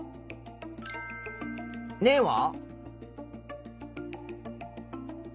根は？